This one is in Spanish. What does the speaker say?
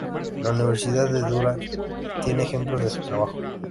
La Universidad de Durham tiene ejemplos de su trabajo.